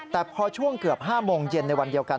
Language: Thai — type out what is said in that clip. แต่พอช่วงเกือบ๕โมงเย็นในวันเดียวกัน